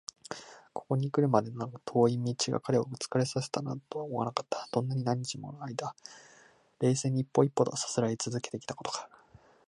ここにくるまでの遠い道が彼を疲れさせたなどとは思われなかった。どんなに何日ものあいだ、冷静に一歩一歩とさすらいつづけてきたことか！